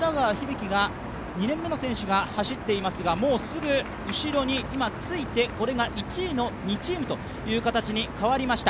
晶２年目の選手が走っていますがもうすぐ後ろに今ついて、こちらが１位の２チームという形に変わりました。